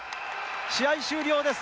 試合終了です。